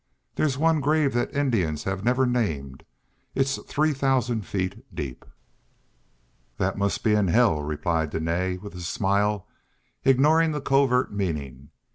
There's one grave the Indians never named; it's three thousand feet deep." "Thet must be in hell," replied Dene, with a smile, ignoring the covert meaning.